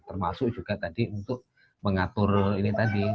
termasuk juga tadi untuk mengatur ini tadi